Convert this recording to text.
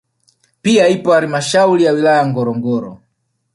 Pia ipo halmashauri ya wilaya ya Ngorongoro